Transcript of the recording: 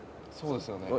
「そうですよね」